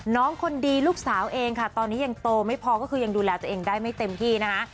คนดีลูกสาวเองค่ะตอนนี้ยังโตไม่พอก็คือยังดูแลตัวเองได้ไม่เต็มที่นะคะ